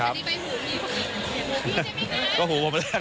อยากได้ส่วนช่วยน้องกับพี่น้องเลย